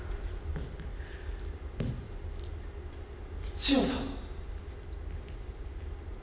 千代さん？